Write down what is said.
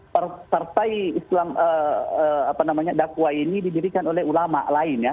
partai islam dakwah ini didirikan oleh ulama lain ya